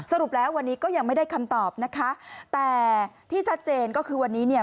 สรุปแล้ววันนี้ก็ยังไม่ได้คำตอบนะคะแต่ที่ชัดเจนก็คือวันนี้เนี่ย